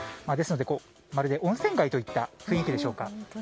ですので、まるで温泉街といった雰囲気でしょうか。